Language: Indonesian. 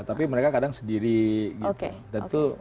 tapi mereka kadang sendiri gitu